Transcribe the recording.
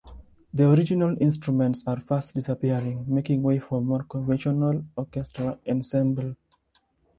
The original instruments are fast disappearing, making way for the more conventional orchestra ensemble.